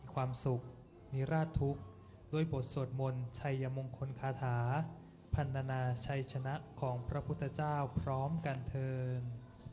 ความสุขนิราชทุกข์ด้วยบทสวดมนต์ชัยมงคลคาถาพันธนาชัยชนะของพระพุทธเจ้าพร้อมกันเถิน